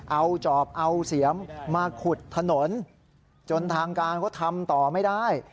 เอาจอบเอาเสียมมาขุดถนนจนทางการเขาทำต่อไม่ได้